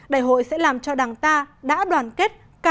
đại hội sẽ làm cho đảng ta đã đoàn kết